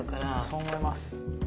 そう思います。